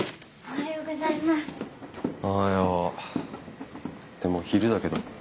おはよう。ってもう昼だけど。